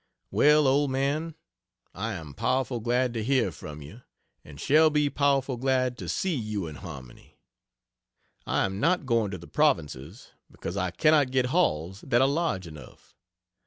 Well, old man, I am powerful glad to hear from you and shall be powerful glad to see you and Harmony. I am not going to the provinces because I cannot get halls that are large enough.